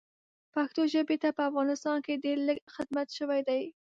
پښتو ژبې ته په افغانستان کې ډېر لږ خدمت شوی ده